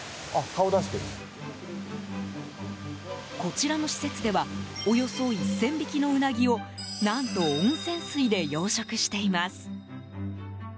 こちらの施設ではおよそ１０００匹のウナギを何と温泉水で養殖しています。